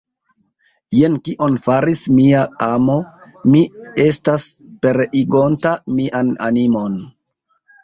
Jen kion faris mia amo, mi estas pereigonta mian animon!